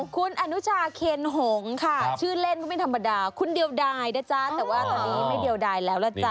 คุณอนุชาเคนหงค่ะชื่อเล่นก็ไม่ธรรมดาคุณเดียวดายนะจ๊ะแต่ว่าตอนนี้ไม่เดียวดายแล้วล่ะจ๊ะ